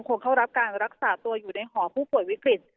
เข้ารับการรักษาตัวอยู่ในหอผู้ป่วยวิกฤต